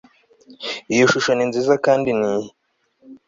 Iyo shusho ni nziza kandi niyi